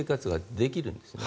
できるんです。